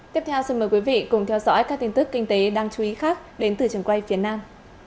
tiếp theo xin mời quý vị cùng theo dõi các tin tức kinh tế đáng chú ý khác đến từ trường quay phía nam